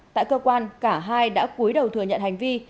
tại cơ quan cả hai đã cuối đầu thừa nhận hành vi